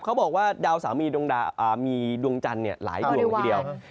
เขาบอกว่าดาวสามีมีดวงจันทร์หลายดวงเลยทีเดียว